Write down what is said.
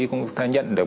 cũng sẽ nhận được